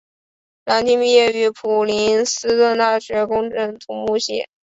蓝钦毕业于普林斯顿大学土木工程系。